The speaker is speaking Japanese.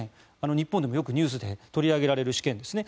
日本でもよくニュースで取り上げられる試験ですね。